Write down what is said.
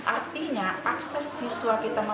artinya akses siswa kita mampu